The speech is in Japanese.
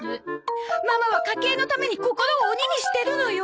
ママは家計のために心を鬼にしてるのよ。